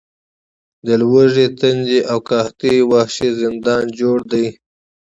د لوږې، تندې او قحطۍ وحشي زندان جوړ دی.